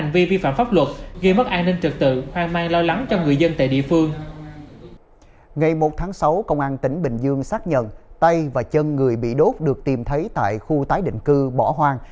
và chân người bị đốt được tìm thấy tại khu tái định cư bỏ hoang